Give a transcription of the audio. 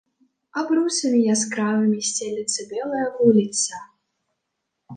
Абрусамі яскравымі сцелецца белая вуліца.